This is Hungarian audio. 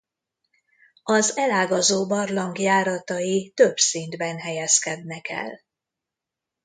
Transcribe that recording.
Az elágazó barlang járatai több szintben helyezkednek el.